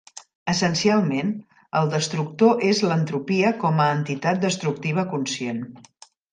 Essencialment, el "Destructor" és l'entropia com a entitat destructiva conscient.